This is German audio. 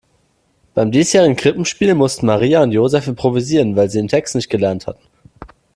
Beim diesjährigen Krippenspiel mussten Maria und Joseph improvisieren, weil sie den Text nicht gelernt hatten.